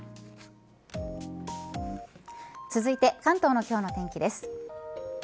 続いて関東の今日の天気です。